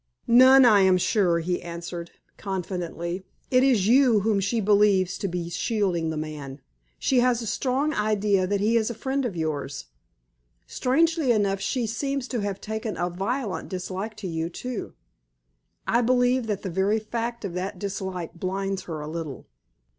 "None, I am sure," he answered, confidently. "It is you whom she believes to be shielding the man. She has a strong idea that he is a friend of yours; strangely enough she seems to have taken a violent dislike to you too. I believe that the very fact of that dislike blinds her a little."